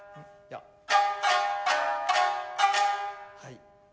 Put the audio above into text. はい。